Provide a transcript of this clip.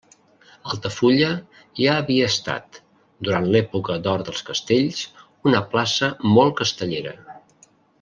Altafulla ja havia estat, durant l'època d'or dels castells, una plaça molt castellera.